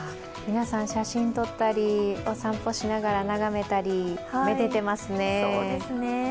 皆さん、写真撮ったりお散歩しながら眺めたり、めでていますね。